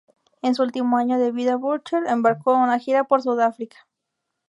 En su último año de vida Bourchier embarcó a una gira por Sudáfrica.